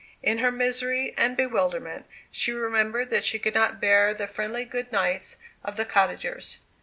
In her misery and bewilderment she remembered that she could not bear the friendly good nights of the cottagers.